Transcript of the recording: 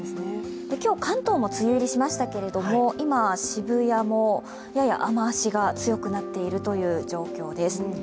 今日関東も梅雨入りしましたけど今、渋谷もやや雨足が強くなっている状況です。